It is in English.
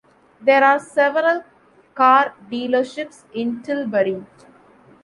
There are several car dealerships in Tilbury.